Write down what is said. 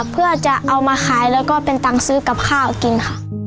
เพื่อจะเอามาขายแล้วก็เป็นตังค์ซื้อกับข้าวกินค่ะ